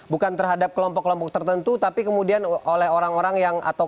bukan terhadap kelompok kelompok tertentu tapi kemudian oleh orang orang yang atau